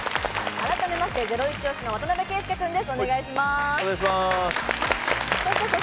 改めましてゼロイチ推しの渡邊圭祐君です。